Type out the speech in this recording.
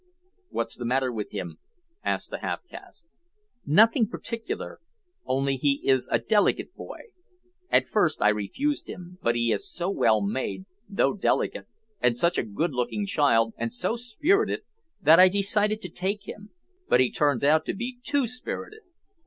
"What's the matter with him?" asked the half caste. "Nothing particular, only he is a delicate boy. At first I refused him, but he is so well made, though delicate, and such a good looking child, and so spirited, that I decided to take him; but he turns out to be too spirited.